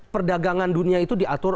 perdagangan dunia itu diatur